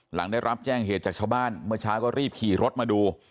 หลังได้รับแจ้งเหตุจากชาวบ้านเมื่อเช้าก็รีบขี่รถมาดู